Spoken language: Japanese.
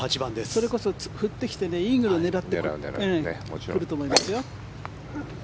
それこそ振ってきてイーグルを狙ってくると思いますよ。